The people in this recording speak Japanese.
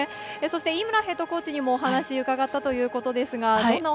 井村ヘッドコーチにも、お話を伺ったということですが。